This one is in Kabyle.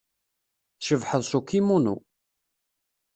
Tcebḥeḍ s ukimunu.